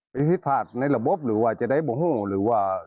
พิธิภาษณ์ในระบบหรือว่าจะได้บอกห้องหรือว่า